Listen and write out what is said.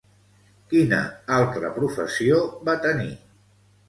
Quina altra professió va tenir?